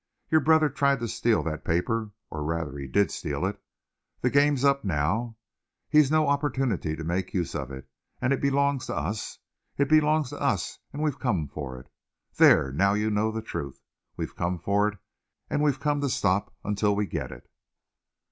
Your brother tried to steal that paper, or rather he did steal it. The game's up now. He's no opportunity to make use of it, and it belongs to us. It belongs to us and we've come for it. There, now you know the truth. We've come for it, and we've come to stop until we get it."